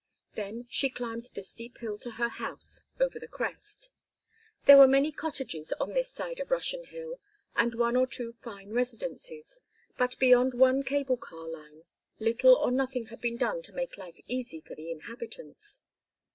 Then she climbed the steep hill to her house, over the crest. There were many cottages on this side of Russian Hill and one or two fine residences, but beyond one cable car line little or nothing had been done to make life easy for the inhabitants.